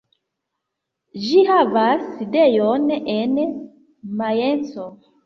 Ĝi havas sidejon en Majenco.